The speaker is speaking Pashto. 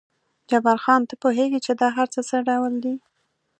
جبار خان، ته پوهېږې چې دا هر څه څه ډول دي؟